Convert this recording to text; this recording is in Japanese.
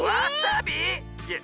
いや